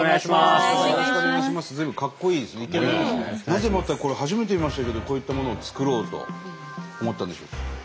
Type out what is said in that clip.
なぜまたこれ初めて見ましたけどこういったものを作ろうと思ったんでしょう？